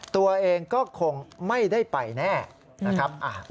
ตัวเองก็คงไม่ได้ไปแน่นะครับ